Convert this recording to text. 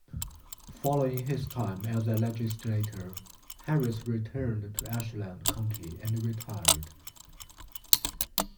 Following his time as a legislator, Harris returned to Ashland County and retired.